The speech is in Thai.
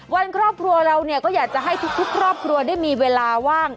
วันครอบครัวเราเนี่ยก็อยากจะให้ทุกครอบครัวได้มีเวลาว่าง